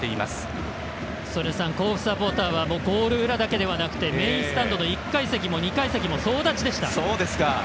曽根さん甲府サポーターはゴール裏だけではなくスタンドの１階席も２階席も総立ちでした。